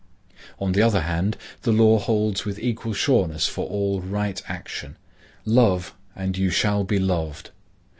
On the other hand the law holds with equal sureness for all right action. Love, and you shall be loved.